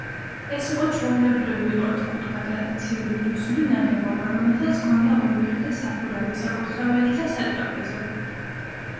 ეს იყო ჩვეულებრივი ოთკუთხა ტრადიციული რუსული ნაგებობა, რომელსაც ჰქონდა ორფერდა სახურავი, საკურთხეველი და სატრაპეზო.